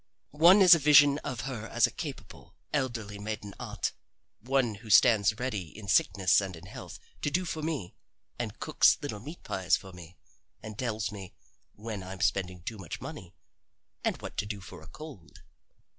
One is a vision of her as a capable, elderly maiden aunt, one who stands ready in sickness and in health to do for me, and cooks little meat pies for me, and tells me when I'm spending too much money, and what to do for a cold.